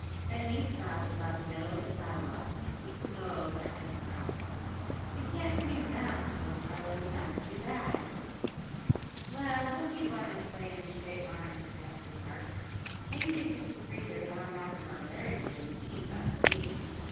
Then these stopped about the middle of the sidewalk, and seemed to go over in the grass. "We can't see 'em now," spoke Charley. "That's too bad." "Well, we'll keep on this way in a straight line," suggested Bert. "Maybe they took the freezer down back of our berry bushes to eat the cream."